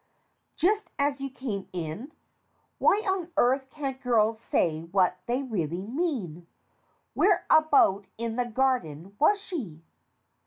Just as you came in ? Why on earth can't girls say what they really mean? Whereabout in the garden was she?